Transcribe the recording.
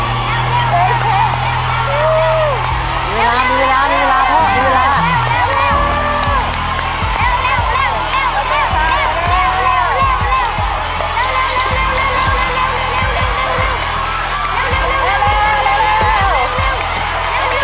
ต้นไม้ประจำจังหวัดระยองการครับ